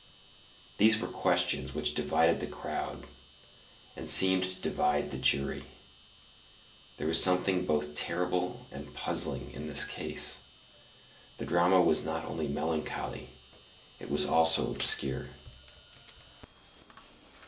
these were questions which divided the crowd, and seemed to divide the jury; there was something both terrible and puzzling in this case: the drama was not only melancholy; it was also obscure.